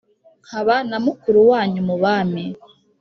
nkaba na mukuru wanyu mu bami,